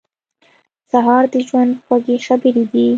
سهار د ژوند خوږې خبرې دي.